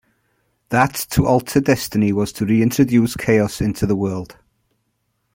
That to alter destiny was to reintroduce Chaos into the world.